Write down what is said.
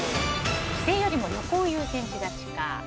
帰省よりも旅行を優先しがちか。